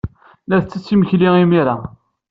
La tettett imekli imir-a.